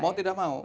mau tidak mau